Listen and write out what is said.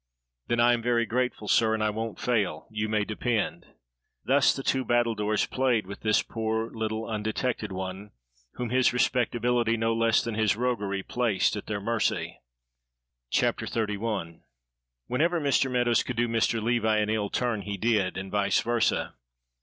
"Then I am very grateful, sir, and I won't fail, you may depend." Thus the two battledores played with this poor little undetected one, whom his respectability no less than his roguery placed at their mercy. CHAPTER XXXI. WHENEVER Mr. Meadows could do Mr. Levi an ill turn he did; and vice versa.